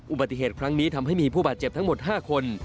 อุบัติเหตุครั้งนี้ทำให้มีผู้บาดเจ็บทั้งหมด๕คน